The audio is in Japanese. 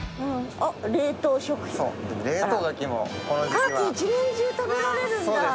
カキ１年中食べられるんだ。